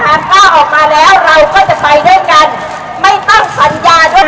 คุณตัวออกมาแล้วเราก็จะไปด้วยกันไม่ต้องทันยาด้วย